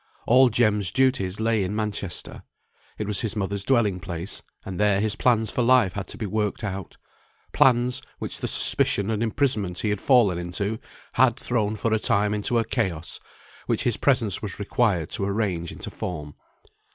All Jem's duties lay in Manchester. It was his mother's dwelling place, and there his plans for life had been to be worked out; plans, which the suspicion and imprisonment he had fallen into, had thrown for a time into a chaos, which his presence was required to arrange into form.